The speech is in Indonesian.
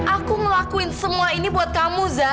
aku melakuin semua ini buat kamu